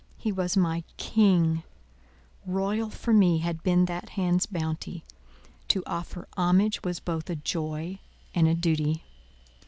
He was my king; royal for me had been that hand's bounty; to offer homage was both a joy and a duty.